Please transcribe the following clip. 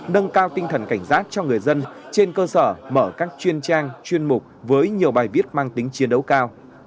nâng cao tinh thần cảnh giác cho người dân trên cơ sở mở các chuyên trang chuyên mục với nhiều bài viết mang tính chiến đấu cao